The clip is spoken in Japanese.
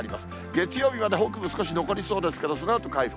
月曜日まで北部残りそうですけど、そのあと回復。